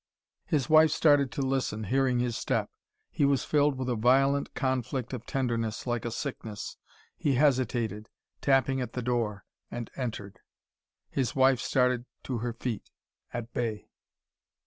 His wife started to listen, hearing his step. He was filled with a violent conflict of tenderness, like a sickness. He hesitated, tapping at the door, and entered. His wife started to her feet, at bay.